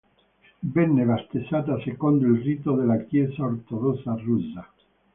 Venne battezzata secondo il rito della Chiesa ortodossa russa.